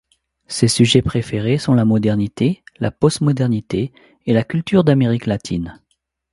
Ses sujets préférés sont la modernité, la postmodernité et la culture d'Amérique latine.